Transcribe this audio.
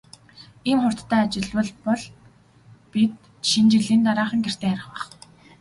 Ийм хурдтай ажиллавал бол бид Шинэ жилийн дараахан гэртээ харих байх.